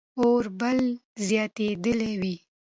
اور لمبې زیاتېدلې وې.